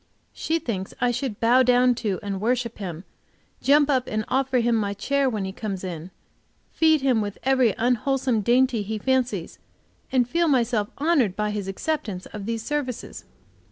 She thinks I should bow down to and worship him, jump up and offer him my chair when he comes in, feed him with every unwholesome dainty he fancies, and feel myself honored by his acceptance of these services.